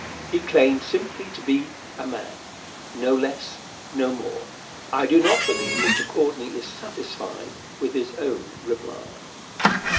He claimed simply to be a man; no less, no more. I do not believe Mr. Courtney is satisfied with his own reply.